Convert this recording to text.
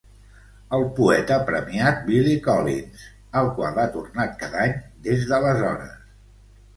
El poeta premiat Billy Collins, el qual ha tornat cada any des d'aleshores.